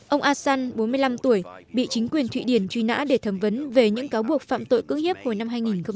ông assan bốn mươi năm tuổi bị chính quyền thụy điển truy nã để thẩm vấn về những cáo buộc phạm tội cưỡng hiếp hồi năm hai nghìn một mươi